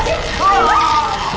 ustadz luar lagi